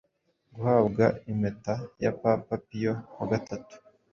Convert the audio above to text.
guhabwa impeta ya Papa Piyo wa gatatu,